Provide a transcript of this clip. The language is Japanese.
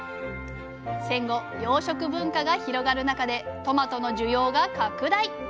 戦後洋食文化が広がる中でトマトの需要が拡大。